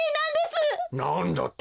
なんだって？